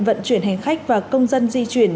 vận chuyển hành khách và công dân di chuyển